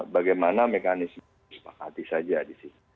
bagaimana mekanisme sepak hati saja di sisi